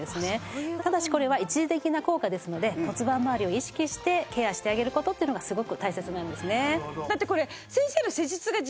ただしこれは一時的な効果ですので骨盤まわりを意識してケアしてあげる事っていうのがすごく大切なんですね。